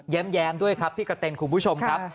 แย้มด้วยครับพี่กระเต็นคุณผู้ชมครับ